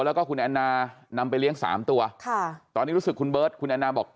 แล้วก็คุณแอนนานำไปเลี้ยงสามตัวค่ะตอนนี้รู้สึกคุณเบิร์ตคุณแอนนาบอก